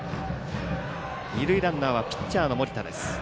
二塁ランナーはピッチャーの盛田です。